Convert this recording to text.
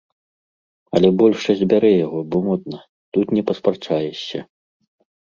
Але большасць бярэ яго, бо модна, тут не паспрачаешся.